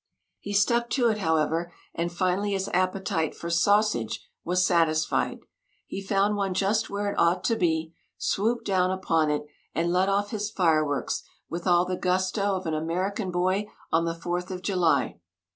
He stuck to it, however, and finally his appetite for "sausage" was satisfied. He found one just where it ought to be, swooped down upon it, and let off his fireworks with all the gusto of an American boy on the Fourth of July.